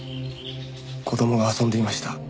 子供が遊んでいました。